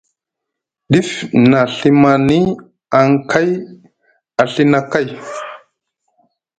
Dif na Ɵimani aŋ kay a Ɵina kay,